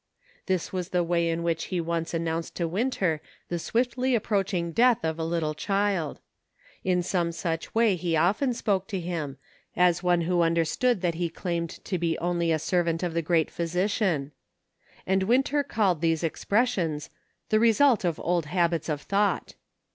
This was the way in which he once announced to Winter the swiftly approaching death of a Httle PROGRESS. 243 child. In some such way he often spoke to him, as one who understood that he claimed to be only a servant of the Great Physician. And Winter called these expressions "the result of old habits of thought."